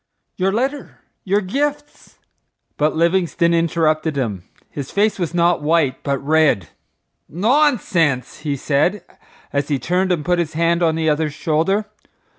—Your letter—your gifts—" But Livingstone interrupted him. His face was not white but red. "Nonsense!" he said, as he turned and put his hand on the other's shoulder.